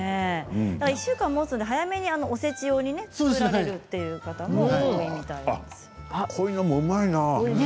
１週間もつので早めにおせち用に作られるという方も濃いのもうまいな。